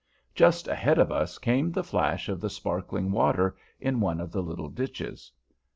Just ahead of us came the flash of the sparkling water in one of the little ditches.